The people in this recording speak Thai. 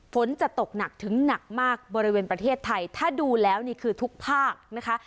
ฝนจะตกหนักถึงหนักมากบริเวณประเทศไทยถ้าดูแล้วนี่คือทุกภาคนะคะ